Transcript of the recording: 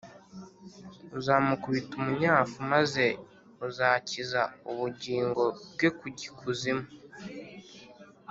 uzamukubita umunyafu, maze uzakiza ubugingo bwe kujya ikuzimu